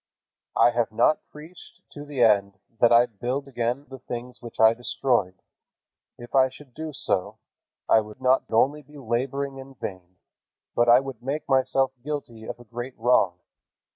"I have not preached to the end that I build again the things which I destroyed. If I should do so, I would not only be laboring in vain, but I would make myself guilty of a great wrong.